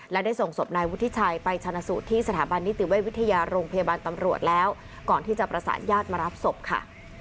และได้ส่งศพนายวุฒิชัยไปชนะสูตรที่สถาบันนิติเวชวิทยาโรงพยาบาลตำรวจแล้วก่อนที่จะประสานญาติมารับศพค่ะ